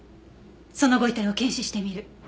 そのご遺体を検視してみる。